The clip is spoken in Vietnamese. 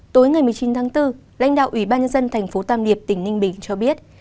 tối một mươi chín tháng bốn lãnh đạo ủy ban nhân dân tp tam điệp tỉnh ninh bình cho biết